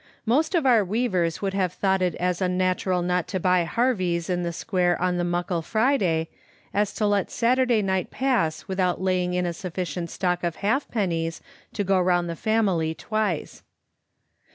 Most of our weavers would have thought it as unnatural not to buy harvies in the square on the Muckle Friday, as to let Saturday night pass without laying in a sufficient stock of halfpennies to go round the family twice.